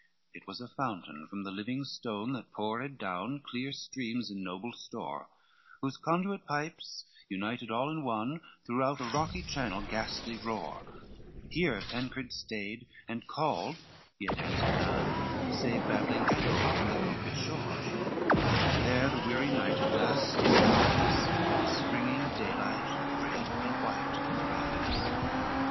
XXV It was a fountain from the living stone, That poured down clear streams in noble store, Whose conduit pipes, united all in one, Throughout a rocky channel ghastly roar; Here Tancred stayed, and called, yet answered none, Save babbling echo, from the crooked shore; And there the weary knight at last espies The springing daylight red and white arise.